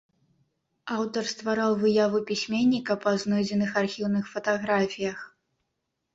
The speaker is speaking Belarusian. Аўтар ствараў выяву пісьменніка па знойдзеных архіўных фатаграфіях.